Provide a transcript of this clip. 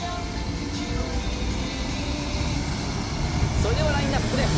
それではラインアップです。